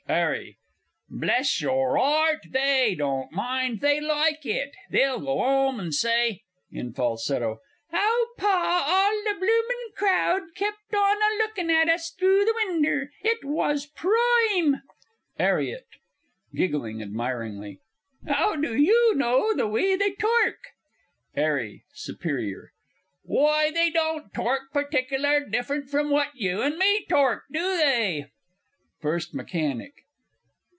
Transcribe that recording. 'ARRY Bless your 'art they don't mind they like it. They'll go 'ome and s'y (in falsetto) "Ow, Pa, all the bloomin' crowd kep' on a lookin' at us through the winder it was proime!" 'ARRIET (giggling admiringly). 'Ow do you know the w'y they tork? 'ARRY (superior). Why, they don't tork partickler different from what you and me tork do they? FIRST MECHANIC.